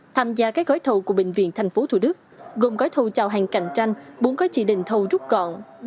tham gia các gói thầu của bệnh viện tp thủ đức gồm gói thầu trào hàng cạnh tranh bốn gói chỉ định thầu rút gọn